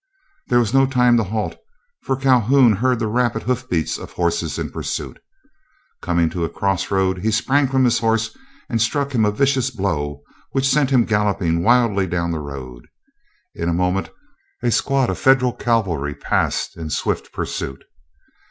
There was no time to halt, for Calhoun heard the rapid hoof beats of horses in pursuit. Coming to a cross road, he sprang from his horse and struck him a vicious blow which sent him galloping wildly down the road. In a moment a squad of Federal cavalry passed in swift pursuit.